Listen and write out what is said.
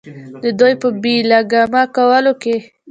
د دوي پۀ بې لګامه کولو کښې